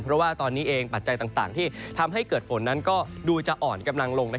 เพราะว่าตอนนี้เองปัจจัยต่างที่ทำให้เกิดฝนนั้นก็ดูจะอ่อนกำลังลง